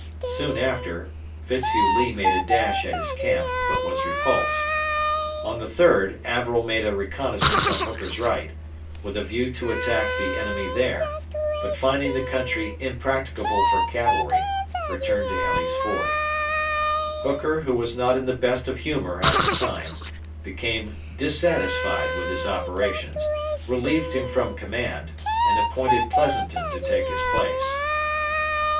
Soon after Fitz Hugh Lee made a dash at his camp, but was repulsed. On the 3d Averell made a reconnoissance on Hooker's right, with a view to attack the enemy there, but finding the country impracticable for cavalry, returned to Elley's Ford. Hooker, who was not in the best of humor at the time, became dissatisfied with his operations, relieved him from command, and appointed Pleansonton to take his place.